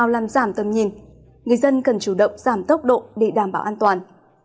làm giảm tầm nhìn người dân cần chủ động giảm tốc độ để đảm bảo an toàn